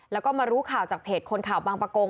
แล้วก็มารู้ข่าวจากเพจคนข่าวบางประกง